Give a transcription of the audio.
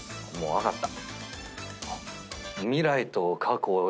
分かった。